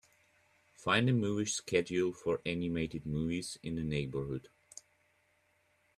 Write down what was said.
Find the movie schedule for animated movies in the neighborhood.